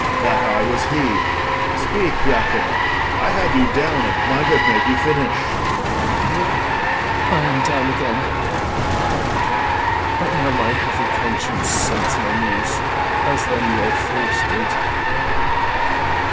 That I was he, Speak, Iachimo. I had you down, and might Have made you finish. IACHIMO. [Kneeling] I am down again; But now my heavy conscience sinks my knee, As then your force did.